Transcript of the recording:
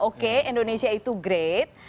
oke indonesia itu great